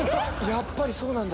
やっぱりそうなんだ。